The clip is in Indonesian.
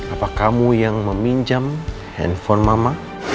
apa kamu yang meminjam handphone mama